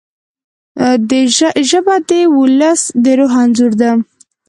ژبه د ولس د روح انځور ده